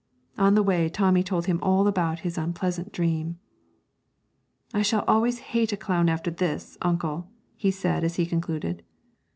On the way Tommy told him all about his unpleasant dream. 'I shall always hate a clown after this, uncle,' he said, as he concluded.